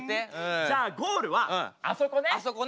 じゃあゴールはあそこね。